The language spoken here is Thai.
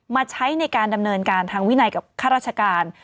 มาใช้ในการดำเนินการทางวินัยกับข้าราชการ